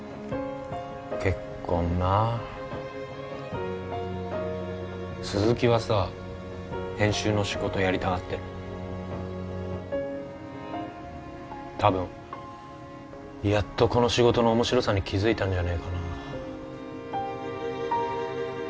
結婚な鈴木はさ編集の仕事やりたがってるたぶんやっとこの仕事の面白さに気づいたんじゃねえかな